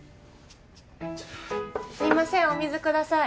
すいませんお水ください。